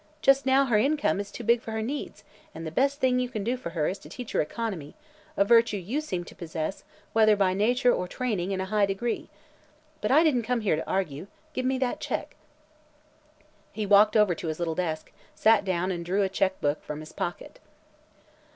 Just now her income is too big for her needs, and the best thing you can do for her is to teach her economy a virtue you seem to possess, whether by nature or training, in a high degree. But I didn't come here to argue. Give me that check." He walked over to his little desk, sat down and drew a check book from his pocket.